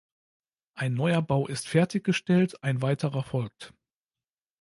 Ein neuer Bau ist fertiggestellt, ein weiterer folgt.